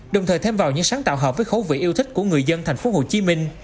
đồng thời thêm vào những sáng tạo hợp với khấu vị yêu thích của người dân thành phố hồ chí minh